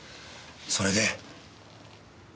それで？